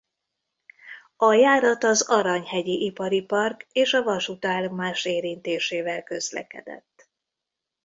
A járat az Aranyhegyi ipari park és a vasútállomás érintésével közlekedett.